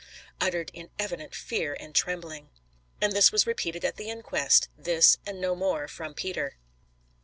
uttered in evident fear and trembling. And this was repeated at the inquest. This, and no more, from Peter.